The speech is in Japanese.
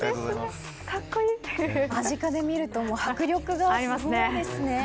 間近で見ると迫力がすごいですね。